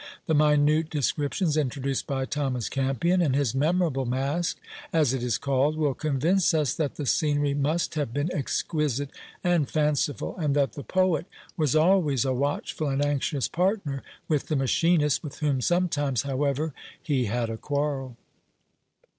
The minute descriptions introduced by Thomas Campion, in his "Memorable Masque," as it is called, will convince us that the scenery must have been exquisite and fanciful, and that the poet was always a watchful and anxious partner with the machinist, with whom sometimes, however, he had a quarrel.